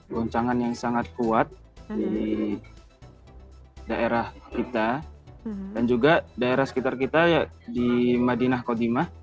goncangan yang sangat kuat di daerah kita dan juga daerah sekitar kita di madinah kodimah